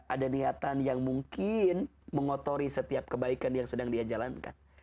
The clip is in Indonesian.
ada niatan yang mungkin mengotori setiap kebaikan yang sedang dia jalankan